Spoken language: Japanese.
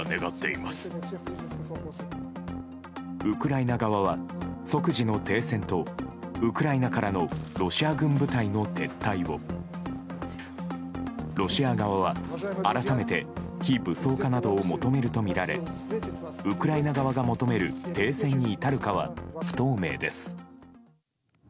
ウクライナ側は即時の停戦とウクライナからのロシア軍部隊の撤退をロシア側は、改めて非武装化などを求めるとみられウクライナ側が求める停戦に至るかは不透明です。